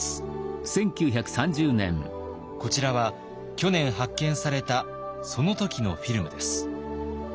こちらは去年発見されたその時のフィルムです。